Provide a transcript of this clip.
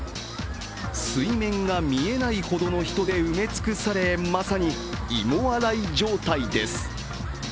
水面が見えないほどの人で埋め尽くされ、まさに、芋洗い状態です。